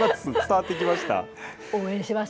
伝わってきました。